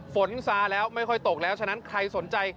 ซาแล้วไม่ค่อยตกแล้วฉะนั้นใครสนใจ